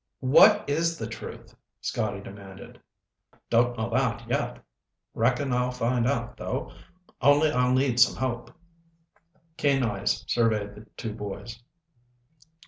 "What is the truth?" Scotty demanded. "Don't know that. Yet. Reckon I'll find out, though. Only I'll need some help." Keen eyes surveyed the two boys.